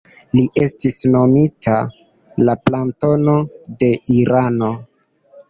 Li estis nomita «la Platono de Irano».